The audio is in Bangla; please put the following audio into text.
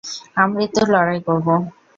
আমৃত্যু লড়াই করব।